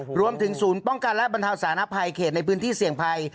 โอ้โหรวมถึงศูนย์ป้องกันและบรรเทาสานะภัยเขตในพื้นที่เสี่ยงภัย